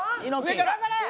頑張れ！